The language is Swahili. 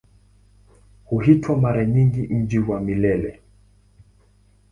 Huitwa mara nyingi "Mji wa Milele".